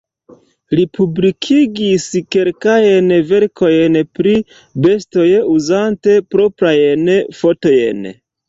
Li publikigis kelkajn verkojn pri bestoj uzante proprajn fotojn.